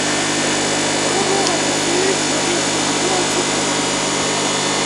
D’abord, en effet, vous avez un territoire exceptionnel.